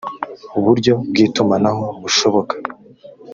buryo bw itumanaho bushoboka